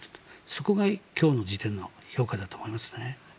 そこが今日の時点の評価だと思いますね。